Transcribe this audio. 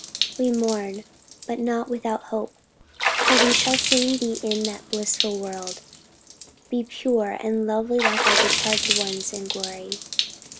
We mourn, but not without hope; for we shall soon be in that blissful world be pure and lovely like our departed ones in glory."